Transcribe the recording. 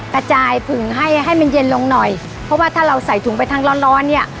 กระจายผึงให้ให้มันเย็นลงหน่อยเพราะว่าถ้าเราใส่ถุงไปทั้งร้อนร้อนเนี่ย